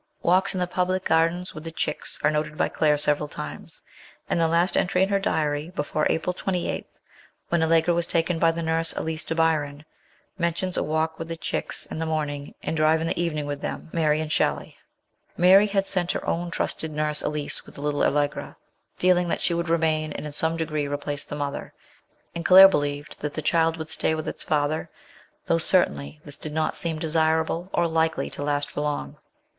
Walks in the public gardens with the "Chicks" are noted by Claire several times, and the last entry in her diary, before April 28, when Allegra was taken by the nurse Elise to Byron, mentions a walk with the " Chicks " in the morning and drive in the evening with them, Mary and Shelley. Mary had sent her own trusted nurse Elise with the little Allegra, feeling that she would remain and in some degree replace the mother ; and Claire believed that the child would stay with its father, though certainly this did not seem desirable or likely to last for long.